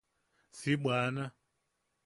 Si bwana.